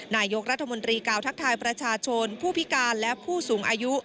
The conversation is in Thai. นายกรัฐมนตรีกล่าวทักทายประชาชนผู้พิการและผู้สูงอายุ